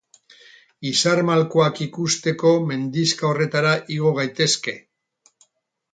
Izar malkoak ikusteko mendixka horretara igo gaitezke.